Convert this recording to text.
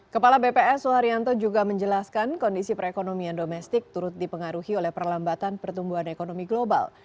kepala bps suharyanto juga menjelaskan kondisi perekonomian domestik turut dipengaruhi oleh perlambatan pertumbuhan ekonomi global